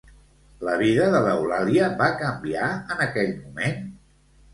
La vida de l'Eulàlia va canviar en aquell moment?